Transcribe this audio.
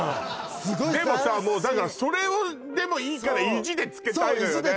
でもさだからそれでもいいから意地で着けたいのよね